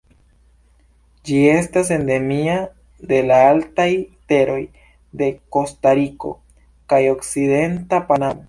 Ĝi estas endemia de la altaj teroj de Kostariko kaj okcidenta Panamo.